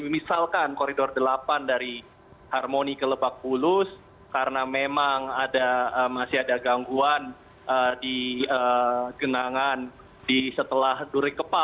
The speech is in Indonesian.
misalkan koridor delapan dari harmoni ke lebak bulus karena memang masih ada gangguan di genangan setelah duri kepa